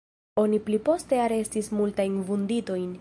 Oni pli poste arestis multajn vunditojn.